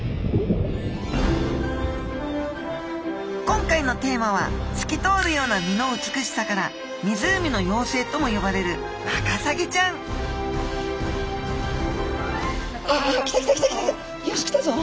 今回のテーマは透き通るような身の美しさから湖の妖精とも呼ばれるワカサギちゃんよしきたぞ。